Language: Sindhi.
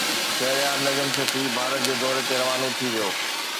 شهريار نجم سيٺي ڀارت جي دوري تي روانو ٿي ويو